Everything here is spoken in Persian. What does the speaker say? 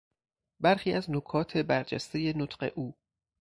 برخی از نکات برجستهی نطق او